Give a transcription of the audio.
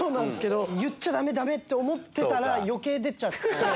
言っちゃダメ！って思ってたら余計出ちゃって。